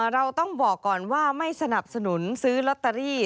เราต้องบอกก่อนว่าไม่สนับสนุนซื้อลอตเตอรี่